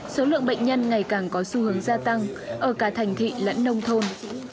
số lượng bệnh nhân ngày càng có xu hướng gia tăng ở cả thành thị lẫn nông thôn